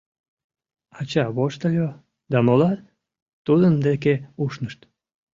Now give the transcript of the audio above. Ача воштыльо да молат тудын деке ушнышт.